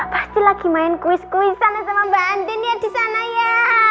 pasti lagi main kuis kuis sama sama mbak andren ya di sana ya